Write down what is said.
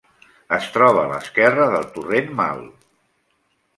Es troba a l'esquerra del torrent Mal.